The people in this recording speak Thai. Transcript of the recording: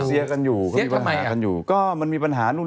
อ๋อเขาเสียกันอยู่เอ้าเสียกันอยู่เขามีปัญหากันอยู่